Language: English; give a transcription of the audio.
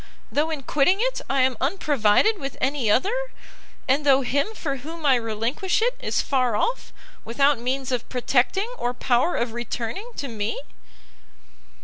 though in quitting it, I am unprovided with any other, and though him for whom I relinquish it, is far off, without means of protecting, or power of returning to me!"